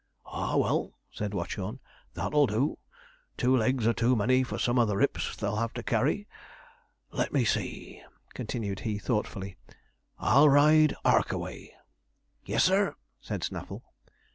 'Ah, well!' said Watchorn, 'that'll do two legs are too many for some of the rips they'll have to carry Let me see,' continued he thoughtfully, 'I'll ride 'Arkaway.' 'Yes, sir,' said Snaffle.